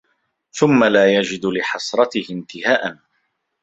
ثُمَّ لَا يَجِدُ لِحَسْرَتِهِ انْتِهَاءً